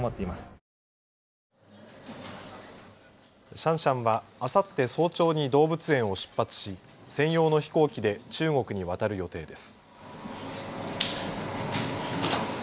シャンシャンはあさって早朝に動物園を出発し、専用の飛行機で中国に渡る予定です。